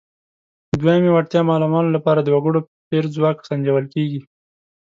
د دویمې وړتیا معلومولو لپاره د وګړو پېر ځواک سنجول کیږي.